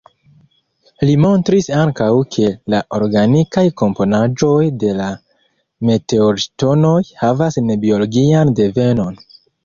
Li montris ankaŭ, ke la organikaj komponaĵoj de la meteorŝtonoj havas ne-biologian devenon.